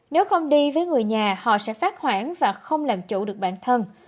nếu con đi với người nhà họ sẽ phát hoãn và không làm chủ được bản thân